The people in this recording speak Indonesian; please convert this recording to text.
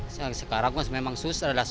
sekarang memang susah